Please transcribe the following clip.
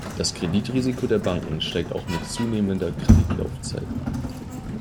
Das Kreditrisiko der Banken steigt auch mit zunehmender Kreditlaufzeit.